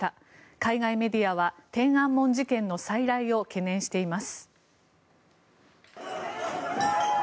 海外メディアは天安門事件の再来を懸念しています。